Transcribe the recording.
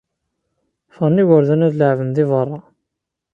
Ffɣen igerdan ad leɛben deg berra.